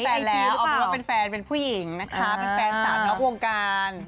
เขามีแฟนแล้วออกมาว่าเป็นแฟนเป็นผู้หญิงนะคะเป็นแฟนสถานกวงการณ์